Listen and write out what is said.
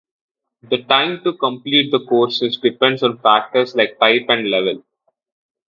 The time to complete the courses depends on factors like type and level.